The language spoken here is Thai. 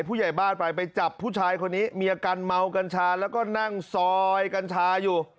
ผู้ใหญ่บ้านไปไปจับผู้ชายคนนี้มีอาการเมากัญชาแล้วก็นั่งซอยกัญชาอยู่